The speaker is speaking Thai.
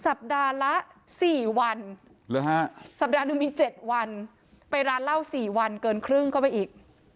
สัปดาห์ละ๔วันสัปดาห์หนึ่งมี๗วันไปร้านเหล้า๔วันเกินครึ่งเข้าไปอีก